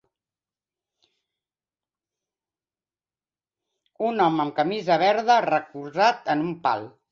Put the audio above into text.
Un home amb camisa verda recolzat en un pal.